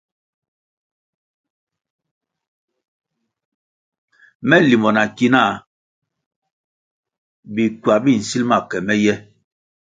Me limbo na ki náh bikywa bi nsil ke me ye.